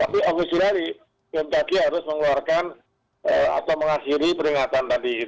tapi ofisialnya diantaranya harus mengeluarkan atau mengakhiri peringatan tadi gitu